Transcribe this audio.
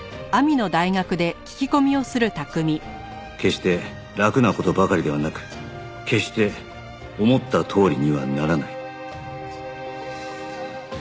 決して楽な事ばかりではなく決して思ったとおりにはならない